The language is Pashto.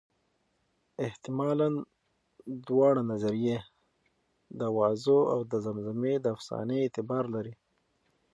حتمالاً دواړه نظریې د اوازو او د زمري د افسانې اعتبار لري.